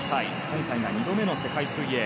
今回が２度目の世界水泳。